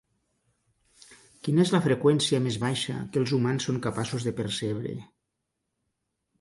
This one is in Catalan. Quina és la freqüència més baixa que els humans són capaços de percebre?